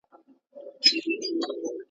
ته ورسه وګوره، چي کوم شي بيرته ستون کړ؟